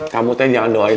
kamu teh jangan doain